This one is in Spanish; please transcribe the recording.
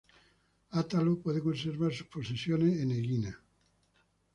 Atalo pudo conservar sus posesiones en Egina.